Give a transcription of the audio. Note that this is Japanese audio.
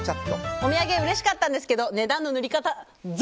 お土産うれしかったんですけど値段の塗り方、雑！